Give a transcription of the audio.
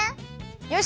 よし！